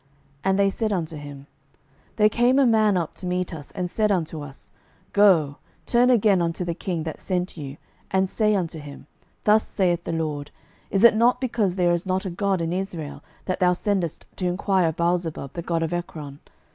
12:001:006 And they said unto him, There came a man up to meet us, and said unto us, Go, turn again unto the king that sent you, and say unto him, Thus saith the LORD, Is it not because there is not a God in Israel, that thou sendest to enquire of Baalzebub the god of Ekron?